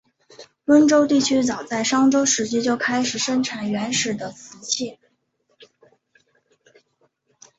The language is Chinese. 温州地区早在商周时期就已经生产原始瓷器。